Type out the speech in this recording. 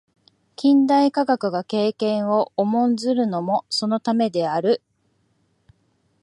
近代科学が経験を重んずるのもそのためである。